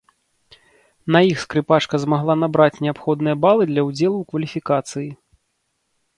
На іх скрыпачка змагла набраць неабходныя балы для ўдзелу ў кваліфікацыі.